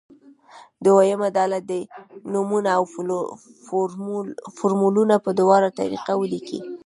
دویمه ډله دې نومونه او فورمولونه په دواړو طریقه ولیکي.